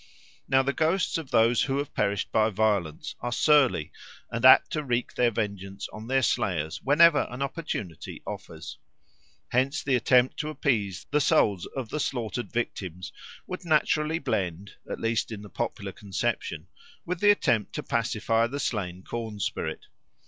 Now the ghosts of those who have perished by violence are surly and apt to wreak their vengeance on their slayers whenever an opportunity offers. Hence the attempt to appease the souls of the slaughtered victims would naturally blend, at least in the popular conception, with the attempt to pacify the slain corn spirit.